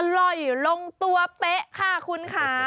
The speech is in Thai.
อร่อยลงตัวเป๊ะค่ะคุณค่ะ